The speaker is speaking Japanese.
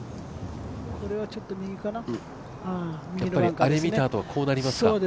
あれ見たあとはこうなりま